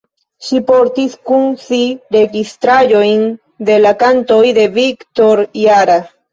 Ŝi portis kun si registraĵojn de la kantoj de Victor Jara.